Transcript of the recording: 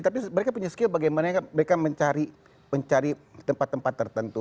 tapi mereka punya skill bagaimana mereka mencari tempat tempat tertentu